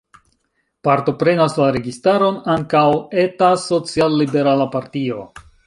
Partoprenas la registaron ankaŭ eta social-liberala partio.